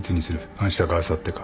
あしたかあさってか。